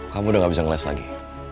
kamu udah gak bisa ngeles lagi